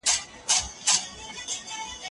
په پسرلي کې غونډۍ شنه کېږي.